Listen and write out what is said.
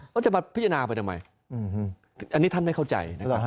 มันจะมาพิจารณาไปทำไมอันนี้ท่านไม่เข้าใจ